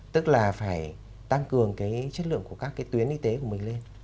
tức là phải tăng cường cái chất lượng của các cái tuyến y tế của mình lên